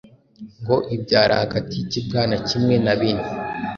ngo ibyara hagati y’ikibwana kimwe na bine